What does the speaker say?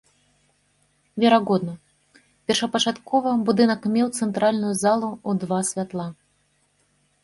Верагодна, першапачаткова будынак меў цэнтральную залу ў два святла.